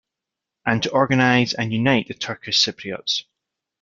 And to organise and unite the Turkish Cypriots.